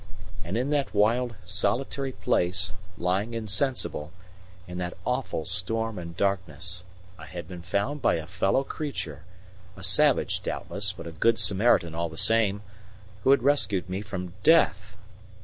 And in that wild, solitary place, lying insensible, in that awful storm and darkness, I had been found by a fellow creature a savage, doubtless, but a good Samaritan all the same who had rescued me from death!